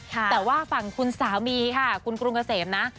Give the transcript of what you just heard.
แต่ว่าฝั่งคุณสามีค่ะคุณกรุงเกษมนะ